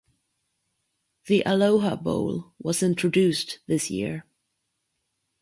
The Aloha Bowl was introduced this year.